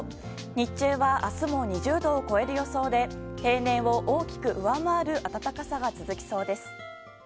日中は明日も２０度を超える予想で平年を大きく上回る暖かさが続きそうです。